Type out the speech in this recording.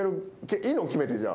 いいの？決めてじゃあ。